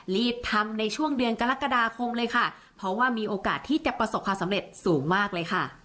รีบทำในช่วงเดือนกรกฎาคมเลยค่ะเพราะว่ามีโอกาสที่จะประสบความสำเร็จสูงมากเลยค่ะ